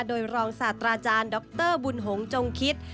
โดยรองศาสตราจารย์ดรบุญหงษ์จงคิด